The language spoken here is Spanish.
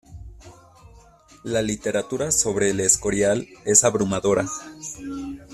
La literatura sobre El Escorial es abrumadora.